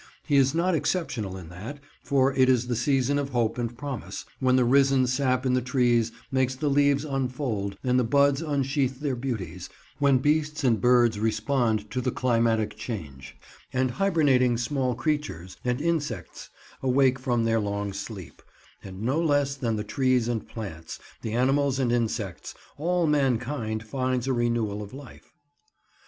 He is not exceptional in that, for it is the season of hope and promise, when the risen sap in the trees makes the leaves unfold and the buds unsheath their beauties, when beasts and birds respond to the climatic change and hibernating small creatures and insects awake from their long sleep; and no less than the trees and plants, the animals and insects, all mankind finds a renewal of life.